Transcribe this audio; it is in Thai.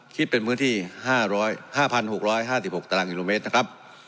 คิดเป็นพื้นที่๕๖๕๖ตารางอินโมเมตร